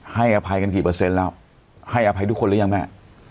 อภัยกันกี่เปอร์เซ็นต์แล้วให้อภัยทุกคนหรือยังแม่